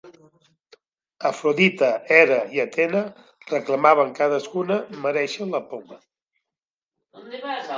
Afrodita, Hera i Atena reclamaven cadascuna merèixer la poma.